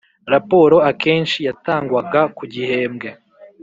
Raporo akenshi yatangwaga ku gihembwe